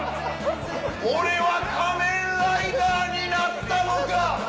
俺は仮面ライダーになったのか！